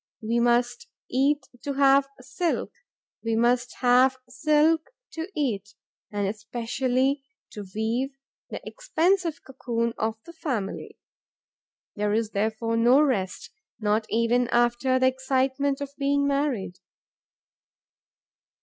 We must eat to have silk, we must have silk to eat and especially to weave the expensive cocoon of the family. There is therefore no rest, not even after the excitement of being married.